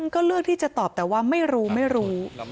ก็เลือกที่จะตอบแต่ว่าไม่รู้ไม่รู้